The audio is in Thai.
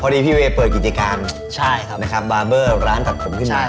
พอดีพี่เวเปิดกิจการบาร์เบอร์ร้านตัดผมขึ้นมา